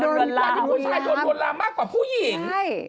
ตอนที่ผู้ชายโดนลวนลามมากกว่าผู้หญิง